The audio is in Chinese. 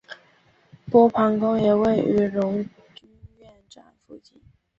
波旁宫也位于荣军院站附近。